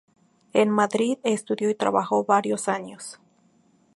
En Madrid estudió y trabajó varios años.